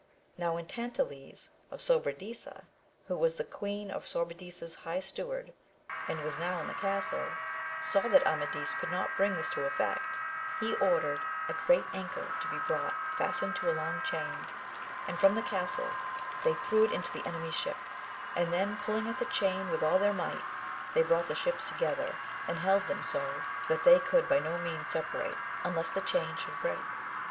Now when Tantiles of Sobradisa, who was the queen of Sobradisa's high steward, and was now in the castle, 64 AM AVIS OF GAUL. saw that Amadis could not bring this to effect, he ordered a great anchor to be brought, fastened to a long chain ; and from the castle, they threw it into the enemy^s ship, and then pulling at the chain with all their might, they brought the ships together, and held them so, that they could by no means separate, unless the chain should break.